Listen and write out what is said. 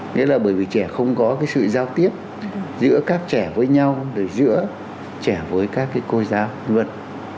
nghĩa là bởi vì trẻ không có cái sự giao tiếp giữa các trẻ với nhau giữa trẻ với các cô giáo vân vân